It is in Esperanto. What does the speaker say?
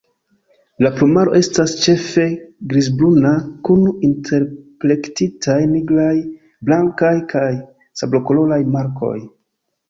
La plumaro estas ĉefe grizbruna kun interplektitaj nigraj, blankaj kaj sablokoloraj markoj.